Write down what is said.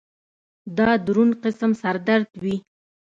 دا درون قسم سر درد وي